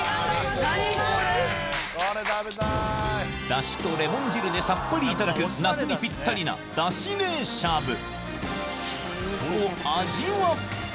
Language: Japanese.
ダシとレモン汁でさっぱりいただく夏にピッタリなダシ冷しゃぶ